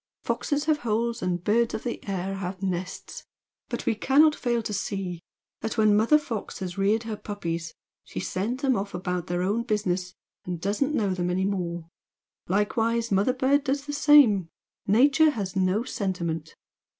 ('Foxes have holes and birds of the air have nests' but we cannot fail to see that when Mother Fox has reared her puppies she sends them off about their own business and doesn't know them any more likewise Mother Bird does the same. Nature has no sentiment.)